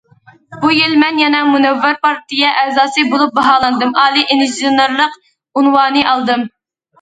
بۇ يىل مەن يەنە مۇنەۋۋەر پارتىيە ئەزاسى بولۇپ باھالاندىم، ئالىي ئىنژېنېرلىق ئۇنۋانى ئالدىم.